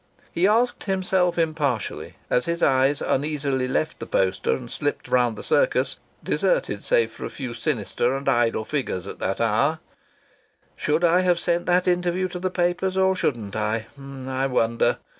He asked himself impartially, as his eyes uneasily left the poster and slipped round the Circus deserted save by a few sinister and idle figures at that hour "Should I have sent that interview to the papers, or shouldn't I?... I wonder.